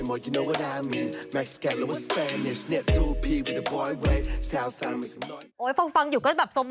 โอ้คิดว่าเฟรกซี่เนอะ